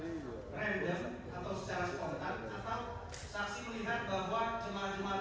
baik saudara adhika ada yang mau ditanya apa